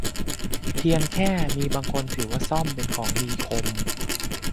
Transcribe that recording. เพียงแค่มีบางคนถือว่าส้อมเป็นของมีคม